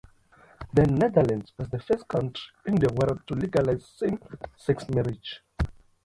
The Netherlands was the first country in the world to legalize same-sex marriage.